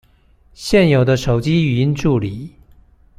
現有的手機語音助理